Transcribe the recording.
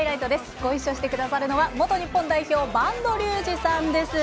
ご一緒してくださるのは元日本代表、播戸竜二さんです。